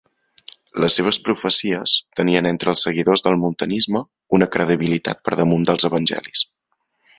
Les seves profecies tenien entre els seguidors del montanisme una credibilitat per damunt dels evangelis.